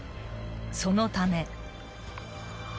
［そのため］